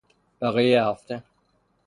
بقیهی هفته